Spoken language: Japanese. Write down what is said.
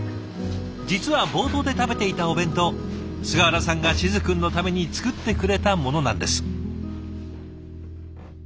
実は冒頭で食べていたお弁当菅原さんが静くんのために作ってくれたものなんです。